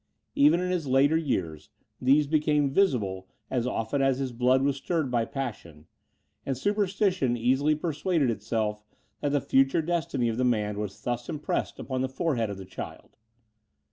Even in his later years, these became visible, as often as his blood was stirred by passion; and superstition easily persuaded itself, that the future destiny of the man was thus impressed upon the forehead of the child.